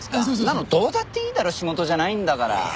そんなのどうだっていいだろ仕事じゃないんだから。